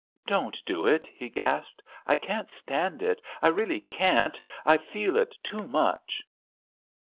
"Don't do it," he gasped. "I can't stand it, I really can't, I feel it too much."